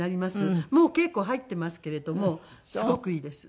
もう稽古は入っていますけれどもすごくいいです。